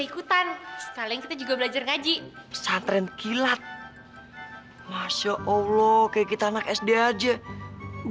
ikutan sekalian kita juga belajar ngaji pesantren kilat masya allah kayak kita makan sd aja